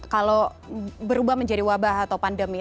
kalau berubah menjadi wabah atau pandemi